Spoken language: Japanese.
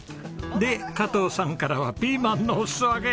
で加藤さんからはピーマンのお裾分け。